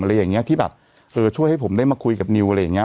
อะไรอย่างเงี้ยที่แบบเออช่วยให้ผมได้มาคุยกับนิวอะไรอย่างเงี้